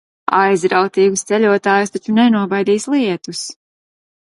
Aizrautīgus ceļotājus taču nenobaidīs lietus!